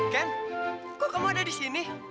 ken kok kamu ada di sini